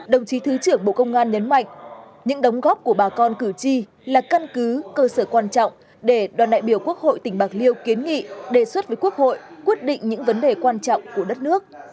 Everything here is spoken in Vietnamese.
đồng chí thứ trưởng bộ công an nhấn mạnh những đóng góp của bà con cử tri là căn cứ cơ sở quan trọng để đoàn đại biểu quốc hội tỉnh bạc liêu kiến nghị đề xuất với quốc hội quyết định những vấn đề quan trọng của đất nước